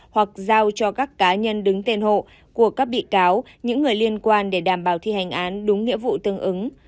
hoặc giao cho các cá nhân đứng tên hộ của các bị cáo những người liên quan để đảm bảo thi hành án đúng nghĩa vụ tương ứng